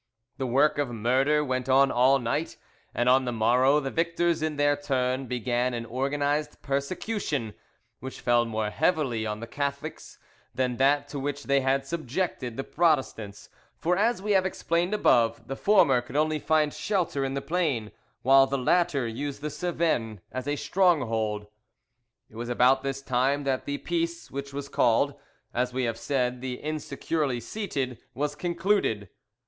The work of murder went on all night, and on the morrow the victors in their turn began an organised persecution, which fell more heavily on the Catholics than that to which they had subjected the Protestants; for, as we have explained above, the former could only find shelter in the plain, while the latter used the Cevennes as a stronghold. It was about this time that the peace, which was called, as we have said, "the insecurely seated," was concluded.